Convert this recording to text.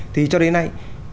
thì cho đến nay